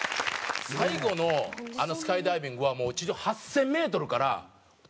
最後のあのスカイダイビングはもう地上８０００メートルから飛び降りて。